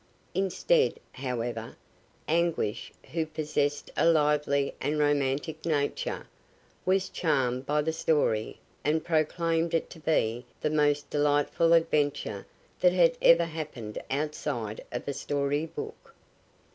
Instead, however, Anguish, who possessed a lively and romantic nature, was charmed by the story and proclaimed it to be the most delightful adventure that had ever happened outside of a story book.